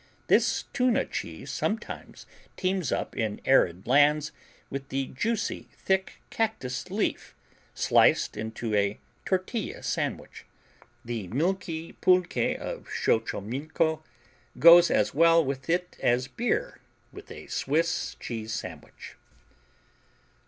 This tuna cheese sometimes teams up in arid lands with the juicy thick cactus leaf sliced into a tortilla sandwich. The milky pulque of Xochomilco goes as well with it as beer with a Swiss cheese sandwich.